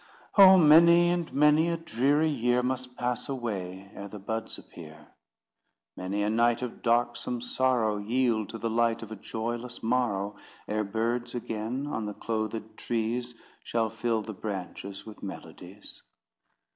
Oh! many and many a dreary year Must pass away ere the buds appear: Many a night of darksome sorrow Yield to the light of a joyless morrow, Ere birds again, on the clothed trees, Shall fill the branches with melodies.